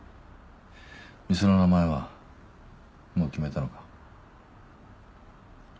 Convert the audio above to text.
店の名前はもう決めたのか？